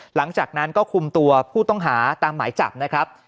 หลังจากนั้นก็คุมตัวผู้ต้องหาตามหมายจับนะครับ